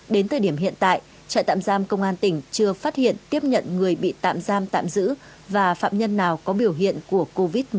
đến thời điểm hiện tại trại tạm giam công an tỉnh chưa phát hiện tiếp nhận người bị tạm giam tạm giữ và phạm nhân nào có biểu hiện của covid một mươi chín